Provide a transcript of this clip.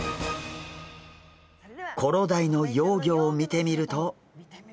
コロダイの幼魚を見てみると。